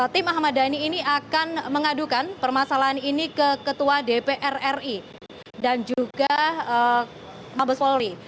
tim ahmad dhani ini akan mengadukan permasalahan ini ke ketua dpr ri dan juga mabes polri